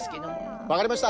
わかりました。